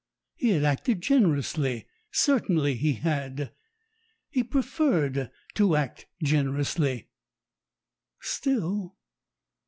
He had acted generously, certainly he had. He pre ferred to act generously. Still